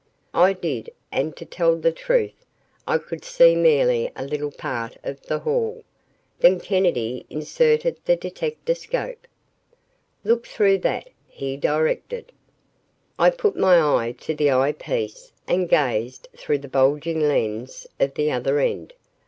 I did and to tell the truth I could see merely a little part of the hall. Then Kennedy inserted the detectascope. "Look through that," he directed. I put my eye to the eye piece and gazed through the bulging lens of the other end.